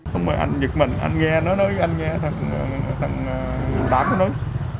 không phải anh giật mình anh nghe nó nói anh nghe thằng đám nó nói